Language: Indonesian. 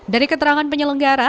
dari keterangan penyelenggara